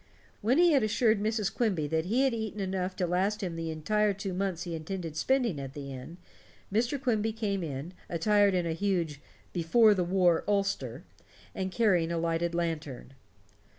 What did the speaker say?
When he had assured Mrs. Quimby that he had eaten enough to last him the entire two months he intended spending at the inn, Mr. Quimby came in, attired in a huge "before the war" ulster, and carrying a lighted lantern.